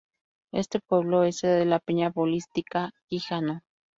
Este pueblo es sede de la Peña Bolística Quijano.